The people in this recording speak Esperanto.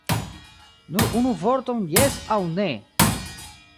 Nur unu vorton jes aŭ ne!